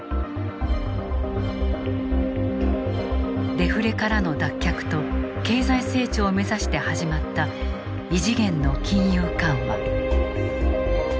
デフレからの脱却と経済成長を目指して始まった異次元の金融緩和。